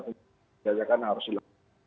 penjajakan harus hilang